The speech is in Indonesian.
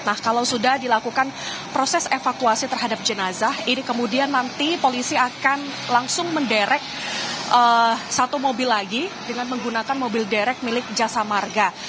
nah kalau sudah dilakukan proses evakuasi terhadap jenazah ini kemudian nanti polisi akan langsung menderek satu mobil lagi dengan menggunakan mobil derek milik jasa marga